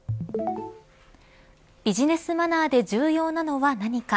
ビジネスマナーで重要なのは何か。